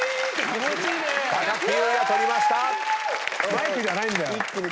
マイクじゃないんだよ。